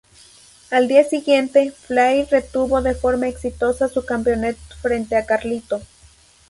Al día siguiente, Flair retuvo de forma exitosa su Campeonato frente a Carlito.